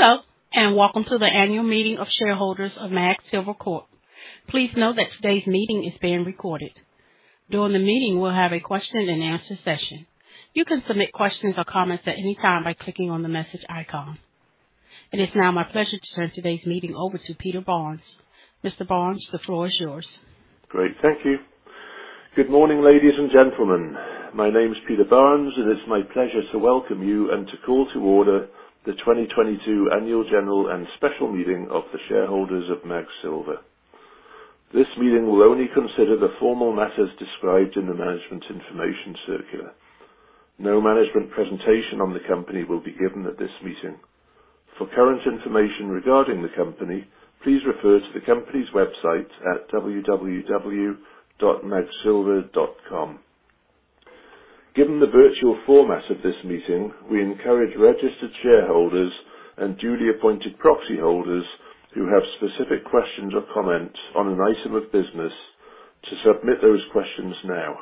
Hello, welcome to the annual meeting of shareholders of MAG Silver Corp. Please note that today's meeting is being recorded. During the meeting, we'll have a question and answer session. You can submit questions or comments at any time by clicking on the message icon. It is now my pleasure to turn today's meeting over to Peter Barnes. Mr. Barnes, the floor is yours. Great, thank you. Good morning, ladies and gentlemen. My name is Peter Barnes, and it's my pleasure to welcome you and to call to order the 2022 Annual General and Special Meeting of the shareholders of MAG Silver. This meeting will only consider the formal matters described in the management information circular. No management presentation on the company will be given at this meeting. For current information regarding the company, please refer to the company's website at www.magsilver.com. Given the virtual format of this meeting, we encourage registered shareholders and duly appointed proxy holders who have specific questions or comments on an item of business to submit those questions now.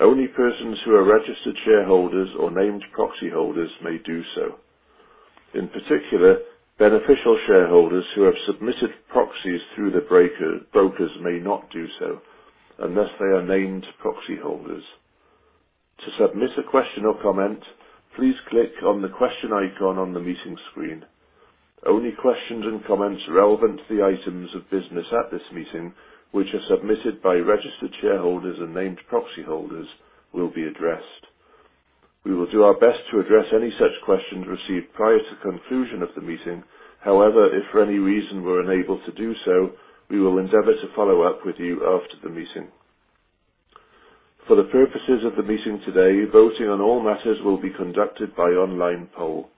Only persons who are registered shareholders or named proxy holders may do so. In particular, beneficial shareholders who have submitted proxies through their brokers may not do so unless they are named proxy holders. To submit a question or comment, please click on the question icon on the meeting screen. Only questions and comments relevant to the items of business at this meeting, which are submitted by registered shareholders and named proxy holders, will be addressed. We will do our best to address any such questions received prior to conclusion of the meeting. However, if for any reason we're unable to do so, we will endeavor to follow up with you after the meeting. For the purposes of the meeting today, voting on all matters will be conducted by online poll.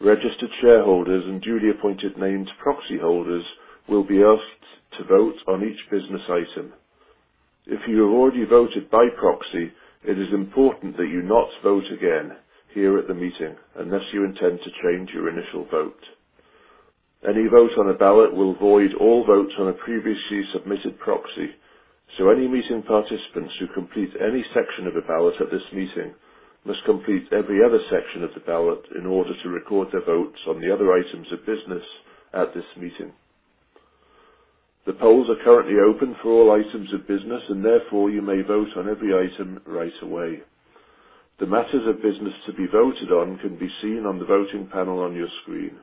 Registered shareholders and duly appointed named proxy holders will be asked to vote on each business item. If you have already voted by proxy, it is important that you not vote again here at the meeting unless you intend to change your initial vote. Any vote on a ballot will void all votes on a previously submitted proxy, so any meeting participants who complete any section of a ballot at this meeting must complete every other section of the ballot in order to record their votes on the other items of business at this meeting. The polls are currently open for all items of business, and therefore you may vote on every item right away. The matters of business to be voted on can be seen on the voting panel on your screen.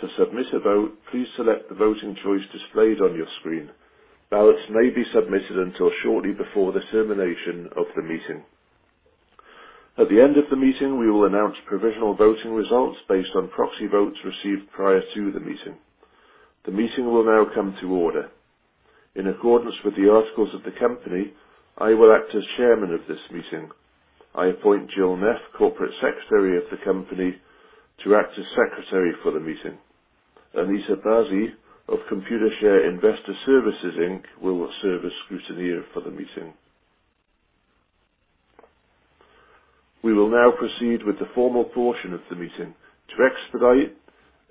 To submit a vote, please select the voting choice displayed on your screen. Ballots may be submitted until shortly before the termination of the meeting. At the end of the meeting, we will announce provisional voting results based on proxy votes received prior to the meeting. The meeting will now come to order. In accordance with the articles of the company, I will act as chairman of this meeting. I appoint Jill Leversage, Corporate Secretary of the company, to act as secretary for the meeting. Anissa Bazzy of Computershare Investor Services Inc. will serve as scrutineer for the meeting. We will now proceed with the formal portion of the meeting. To expedite,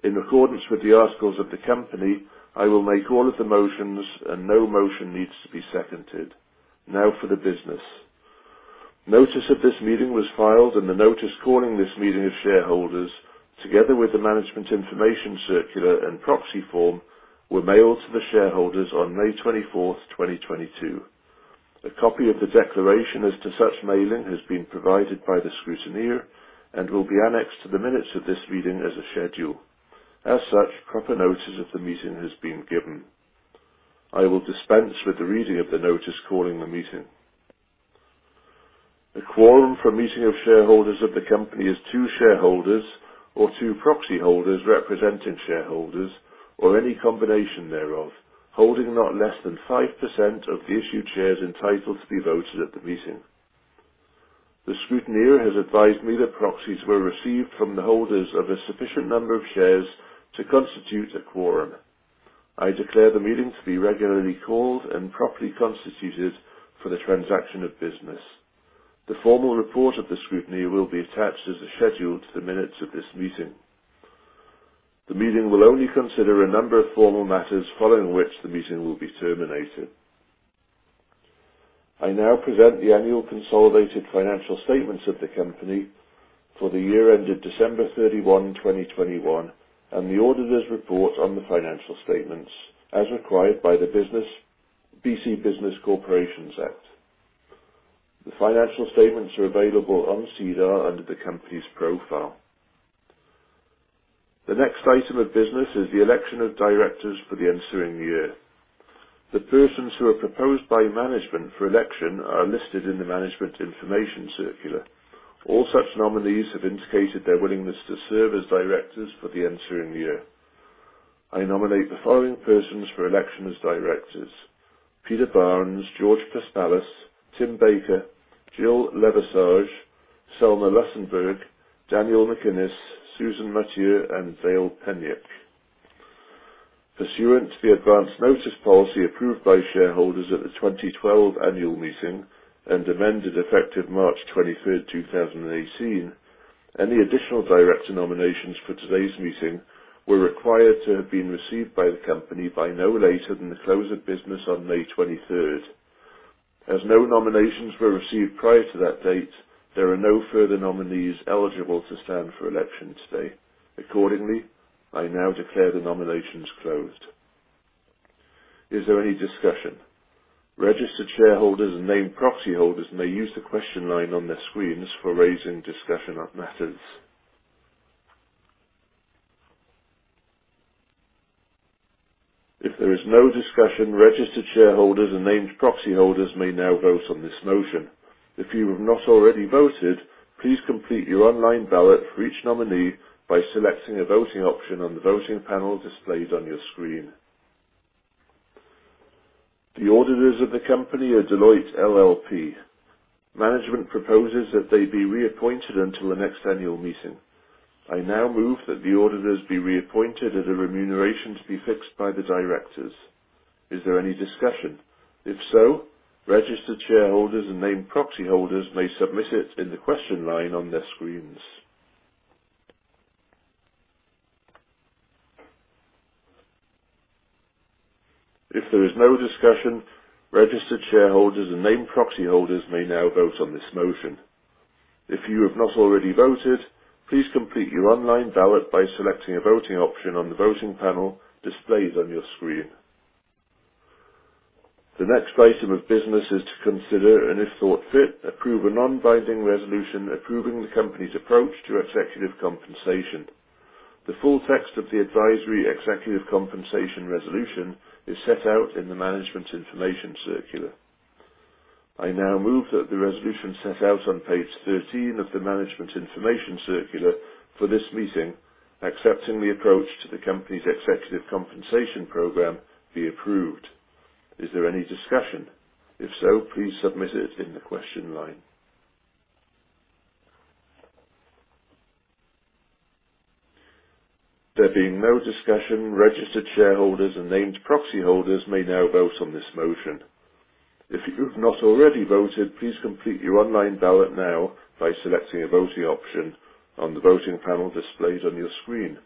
in accordance with the articles of the company, I will make all of the motions, and no motion needs to be seconded. Now for the business. Notice of this meeting was filed and the notice calling this meeting of shareholders, together with the management information circular and proxy form, were mailed to the shareholders on May twenty-fourth, 2022. A copy of the declaration as to such mailing has been provided by the scrutineer and will be annexed to the minutes of this meeting as a schedule. As such, proper notice of the meeting has been given. I will dispense with the reading of the notice calling the meeting. The quorum for a meeting of shareholders of the company is two shareholders or two proxy holders representing shareholders or any combination thereof, holding not less than 5% of the issued shares entitled to be voted at the meeting. The scrutineer has advised me that proxies were received from the holders of a sufficient number of shares to constitute a quorum. I declare the meeting to be regularly called and properly constituted for the transaction of business. The formal report of the scrutiny will be attached as a schedule to the minutes of this meeting. The meeting will only consider a number of formal matters following which the meeting will be terminated. I now present the annual consolidated financial statements of the company for the year ended December 31, 2021, and the auditor's report on the financial statements as required by the BC Business Corporations Act. The financial statements are available on SEDAR under the company's profile. The next item of business is the election of directors for the ensuing year. The persons who are proposed by management for election are listed in the management information circular. All such nominees have indicated their willingness to serve as directors for the ensuing year. I nominate the following persons for election as directors, Peter Barnes, George Paspalas, Tim Baker, Jill Leversage, Selma Lussenburg, Daniel MacInnis, Susan Mathieu, and Dale Peniuk. Pursuant to the advance notice policy approved by shareholders at the 2012 annual meeting and amended effective March 23rd, 2018, any additional director nominations for today's meeting were required to have been received by the company by no later than the close of business on May 23rd. As no nominations were received prior to that date, there are no further nominees eligible to stand for election today. Accordingly, I now declare the nominations closed. Is there any discussion? Registered shareholders and named proxyholders may use the question line on their screens for raising discussion on matters. If there is no discussion, registered shareholders and named proxyholders may now vote on this motion. If you have not already voted, please complete your online ballot for each nominee by selecting a voting option on the voting panel displayed on your screen. The auditors of the company are Deloitte LLP. Management proposes that they be reappointed until the next annual meeting. I now move that the auditors be reappointed at a remuneration to be fixed by the directors. Is there any discussion? If so, registered shareholders and named proxyholders may submit it in the question line on their screens. If there is no discussion, registered shareholders and named proxyholders may now vote on this motion. If you have not already voted, please complete your online ballot by selecting a voting option on the voting panel displayed on your screen. The next item of business is to consider, and if thought fit, approve a non-binding resolution approving the company's approach to executive compensation. The full text of the advisory executive compensation resolution is set out in the management information circular. I now move that the resolution set out on page 13 of the Management Information Circular for this meeting, accepting the approach to the company's executive compensation program, be approved. Is there any discussion? If so, please submit it in the question line. There being no discussion, registered shareholders and named proxyholders may now vote on this motion. If you've not already voted, please complete your online ballot now by selecting a voting option on the voting panel displayed on your screen.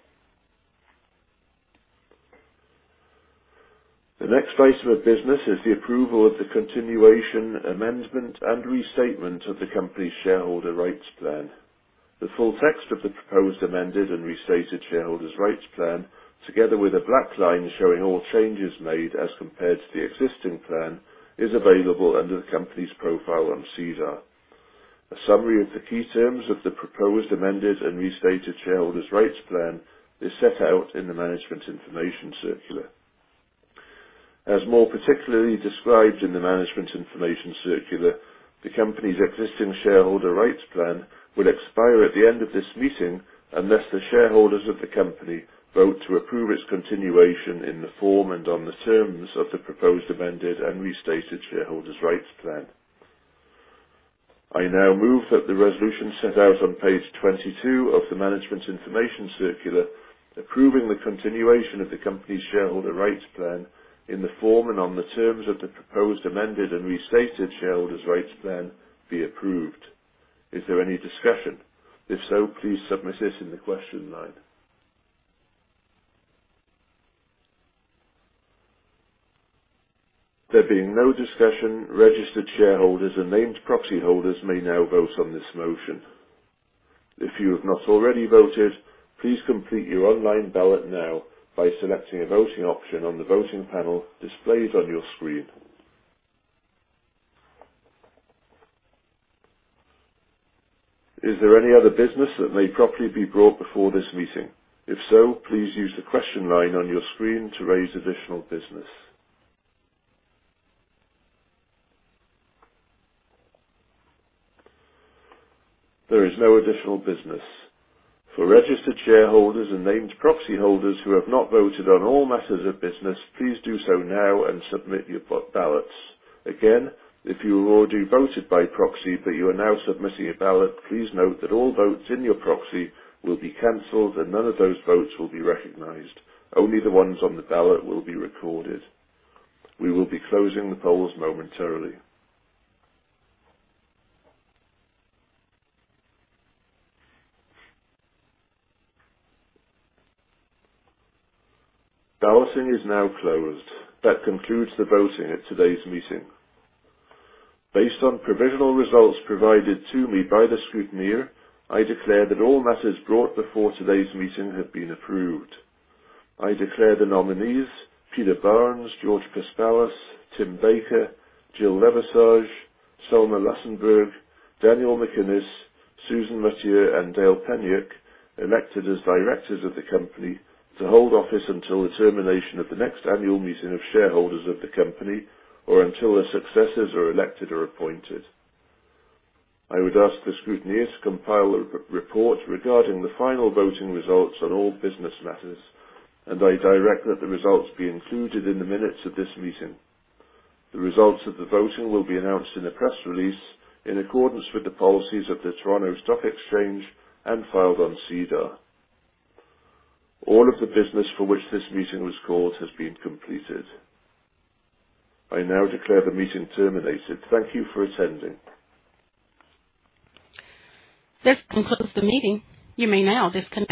The next item of business is the approval of the continuation, amendment, and restatement of the company's shareholder rights plan. The full text of the proposed, amended and restated shareholders rights plan, together with a black line showing all changes made as compared to the existing plan, is available under the company's profile on SEDAR. A summary of the key terms of the proposed, amended and restated shareholder rights plan is set out in the management information circular. As more particularly described in the management information circular, the company's existing shareholder rights plan will expire at the end of this meeting unless the shareholders of the company vote to approve its continuation in the form and on the terms of the proposed, amended and restated shareholder rights plan. I now move that the resolution set out on page 22 of the management information circular, approving the continuation of the company's shareholder rights plan in the form and on the terms of the proposed, amended and restated shareholder rights plan be approved. Is there any discussion? If so, please submit it in the question line. There being no discussion, registered shareholders and named proxyholders may now vote on this motion. If you have not already voted, please complete your online ballot now by selecting a voting option on the voting panel displayed on your screen. Is there any other business that may properly be brought before this meeting? If so, please use the question line on your screen to raise additional business. There is no additional business. For registered shareholders and named proxyholders who have not voted on all matters of business, please do so now and submit your ballots. Again, if you already voted by proxy, but you are now submitting a ballot, please note that all votes in your proxy will be canceled and none of those votes will be recognized. Only the ones on the ballot will be recorded. We will be closing the polls momentarily. Balloting is now closed. That concludes the voting at today's meeting. Based on provisional results provided to me by the scrutineer, I declare that all matters brought before today's meeting have been approved. I declare the nominees, Peter Barnes, George Paspalas, Tim Baker, Jill Leversage, Selma Lussenburg, Daniel MacInnis, Susan Mathieu, and Dale Peniuk, elected as directors of the company to hold office until the termination of the next annual meeting of shareholders of the company or until their successors are elected or appointed. I would ask the scrutineer to compile a report regarding the final voting results on all business matters, and I direct that the results be included in the minutes of this meeting. The results of the voting will be announced in a press release in accordance with the policies of the Toronto Stock Exchange and filed on SEDAR. All of the business for which this meeting was called has been completed. I now declare the meeting terminated. Thank you for attending. This concludes the meeting. You may now disconnect.